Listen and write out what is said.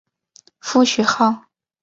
父徐灏。